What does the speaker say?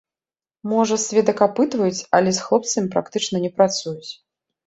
Можа, сведак апытваюць, але з хлопцамі практычна не працуюць.